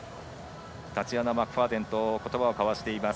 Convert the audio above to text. タチアナ・マクファーデンと言葉を交わしています